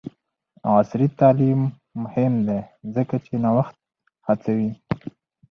عصري تعلیم مهم دی ځکه چې نوښت هڅوي.